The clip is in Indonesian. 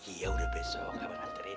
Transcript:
iya udah besok abang anterin